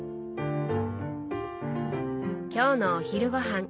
今日のお昼ご飯。